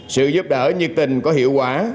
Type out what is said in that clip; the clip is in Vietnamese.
sự giúp đỡ nhiệt tình có hiệu quả